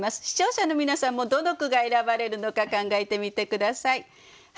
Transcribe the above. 視聴者の皆さんもどの句が選ばれるのか考えてみて下さい。